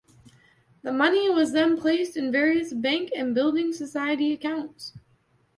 The money was then placed in various bank and building society accounts.